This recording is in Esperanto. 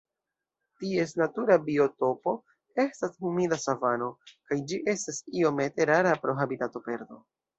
Ties natura biotopo estas humida savano, kaj ĝi estas iomete rara pro habitatoperdo.